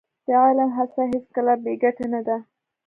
د علم هڅه هېڅکله بې ګټې نه ده.